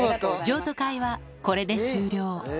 譲渡会はこれで終了。